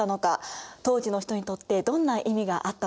当時の人にとってどんな意味があったのか。